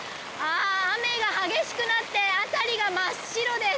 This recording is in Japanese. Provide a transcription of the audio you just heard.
雨が激しくなって辺りが真っ白です。